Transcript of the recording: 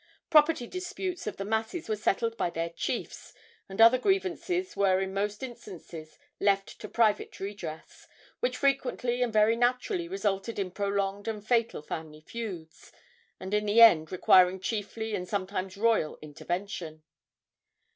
Property disputes of the masses were settled by their chiefs, and other grievances were in most instances left to private redress, which frequently and very naturally resulted in prolonged and fatal family feuds, in the end requiring chiefly and sometimes royal intervention.